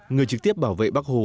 người trực tiếp bảo vệ bác hồ